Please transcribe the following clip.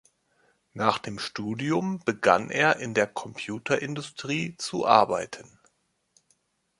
Nach dem Studium begann er in der Computerindustrie zu arbeiten.